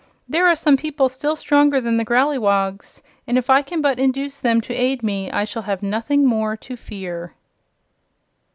There are some people still stronger than the Growleywogs, and if I can but induce them to aid me I shall have nothing more to fear."